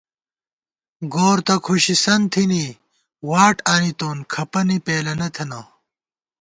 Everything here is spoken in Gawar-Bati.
گور تہ کھُشِسن تھنی واٹ آنِتون کھپن پېلَنہ تھنہ